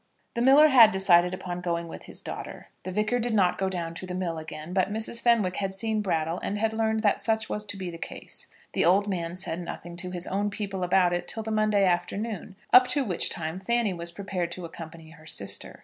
The miller had decided upon going with his daughter. The Vicar did not go down to the mill again; but Mrs. Fenwick had seen Brattle, and had learned that such was to be the case. The old man said nothing to his own people about it till the Monday afternoon, up to which time Fanny was prepared to accompany her sister.